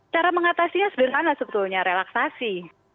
cara mengatasinya sederhana sebetulnya relaksasi